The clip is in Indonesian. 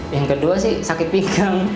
yang kedua sih sakit pigang